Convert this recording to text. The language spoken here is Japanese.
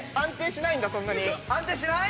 安定しない？